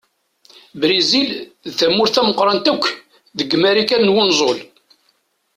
Brizil d tamurt tameqqṛant akk deg Marikan n unẓul.